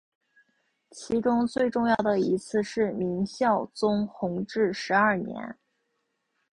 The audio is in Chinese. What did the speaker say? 其中最重要的一次是明孝宗弘治十二年。